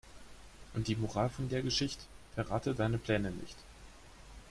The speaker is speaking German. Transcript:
Und die Moral von der Geschicht': Verrate deine Pläne nicht.